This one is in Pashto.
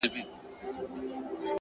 مثبت چلند د ستونزو فشار کموي!